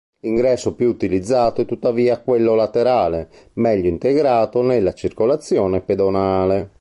L'ingresso più utilizzato è tuttavia quello laterale, meglio integrato nella circolazione pedonale.